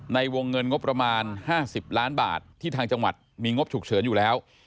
ในวงเงินงบประมาณ๕๐ล้านบาทที่ทางจังหวัดมีงบฉุกเฉินอยู่แล้ว